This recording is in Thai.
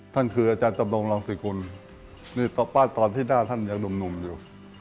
ท่านคืออาจารย์จำนวงรองสุริคุณนี่ต้องปั้นตอนที่หน้าท่านยังหนุ่มอยู่